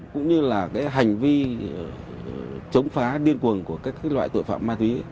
cũng như là hành vi chống phá điên cuồng của các loại tội phạm ma túy